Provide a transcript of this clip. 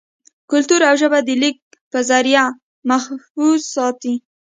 کلتور او ژبه دَليک پۀ زريعه محفوظ ساتي